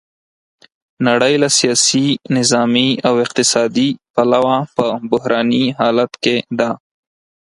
نړۍ له سیاسي، نظامي او اقتصادي پلوه په بحراني حالت کې ده.